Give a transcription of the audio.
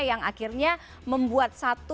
yang akhirnya membuat satu